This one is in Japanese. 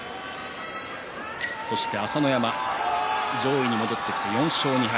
朝乃山、上位に戻ってきて４勝２敗。